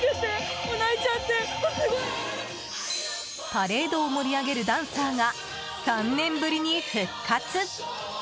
パレードを盛り上げるダンサーが３年ぶりに復活！